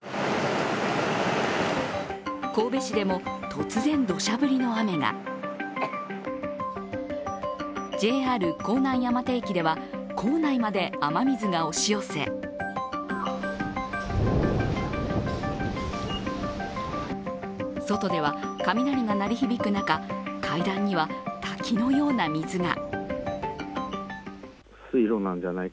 神戸市でも突然、どしゃ降りの雨がＪＲ甲南山手駅では構内まで雨水が押し寄せ外では雷が鳴り響く中階段には滝のような水が。